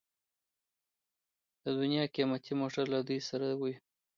د دنیا قیمتي موټر له دوی سره وي.